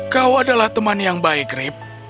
kau adalah teman yang baik rip